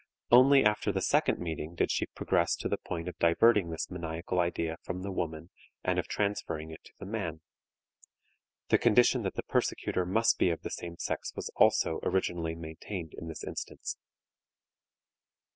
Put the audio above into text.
Only after the second meeting did she progress to the point of diverting this maniacal idea from the woman and of transferring it to the man. The condition that the persecutor must be of the same sex was also originally maintained in this instance.